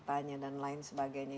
ada ceritanya dan lain sebagainya